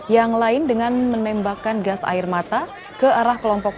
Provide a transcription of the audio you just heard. yang lain dengan menembakkan gas air mata ke arah kelompok